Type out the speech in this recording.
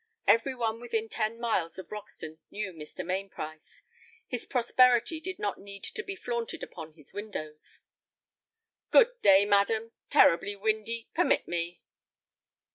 Every one within ten miles of Roxton knew Mr. Mainprice. His prosperity did not need to be flaunted upon his windows. "Good day, madam. Terribly windy. Permit me."